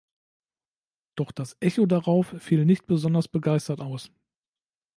Doch das Echo darauf fiel nicht besonders begeistert aus.